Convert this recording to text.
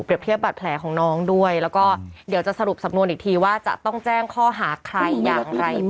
เทียบบัตรแผลของน้องด้วยแล้วก็เดี๋ยวจะสรุปสำนวนอีกทีว่าจะต้องแจ้งข้อหาใครอย่างไรบ้าง